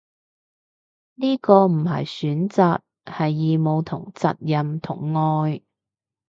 呢個唔係選擇，係義務同責任同愛